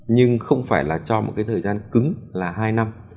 nhưng không phải là cho một cái thời gian cứng là hai năm